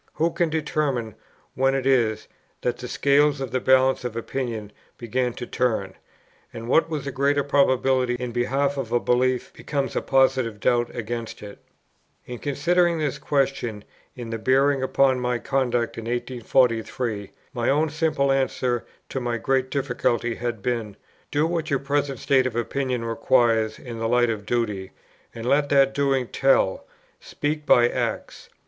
Who can determine when it is, that the scales in the balance of opinion begin to turn, and what was a greater probability in behalf of a belief becomes a positive doubt against it? In considering this question in its bearing upon my conduct in 1843, my own simple answer to my great difficulty had been, Do what your present state of opinion requires in the light of duty, and let that doing tell: speak by acts.